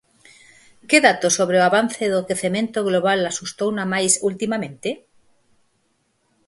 Que dato sobre o avance do quecemento global asustouna máis ultimamente?